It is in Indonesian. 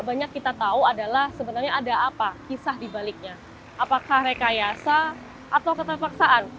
banyak kita tahu adalah sebenarnya ada apa kisah dibaliknya apakah rekayasa atau keterpaksaan